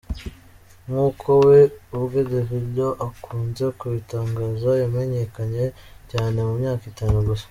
Nk’uko we ubwe Davido akunze kubitangaza, yamenyekanye cyane mu myaka itanu gusa.